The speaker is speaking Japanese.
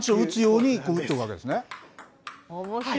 パンチを打つように打っていくわけですね。